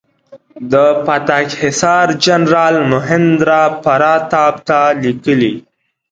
د پتک حصار جنرال مهیندراپراتاپ ته لیکلي.